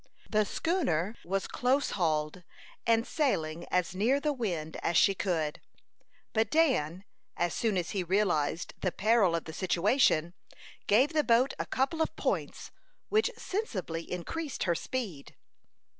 The schooner was close hauled, and sailing as near the wind as she could; but Dan, as soon as he realized the peril of the situation, gave the boat a couple of points, which sensibly increased her speed.